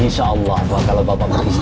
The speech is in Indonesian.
insyaallah bakal bapak beristirahat